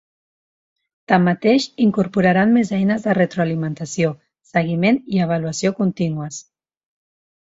Tanmateix incorporaran més eines de retroalimentació, seguiment i avaluació contínues.